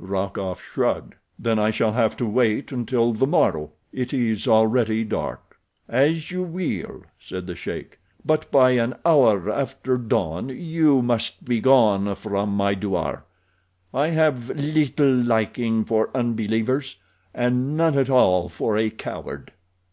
Rokoff shrugged. "Then I shall have to wait until the morrow—it is already dark." "As you will," said the sheik. "But by an hour after dawn you must be gone from my douar. I have little liking for unbelievers, and none at all for a coward."